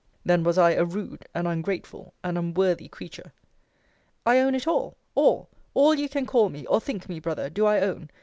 Then was I a rude, an ungrateful, and unworthy creature. I own it all all, all you can call me, or think me, Brother, do I own.